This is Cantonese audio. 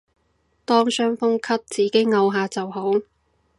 當傷風咳自己漚下就好